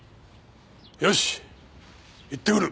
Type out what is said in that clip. よし行ってくる。